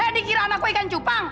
eh dikira anak gue ikan cupang